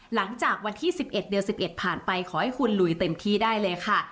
หลังจากวันที่๑๑เดือน๑๑ผ่านไปขอให้คุณลุยเต็มที่ได้เลยค่ะ